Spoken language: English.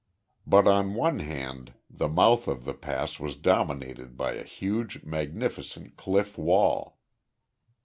But on one hand the mouth of the pass was dominated by a huge, magnificent cliff wall.